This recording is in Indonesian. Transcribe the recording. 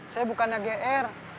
saya bukannya gr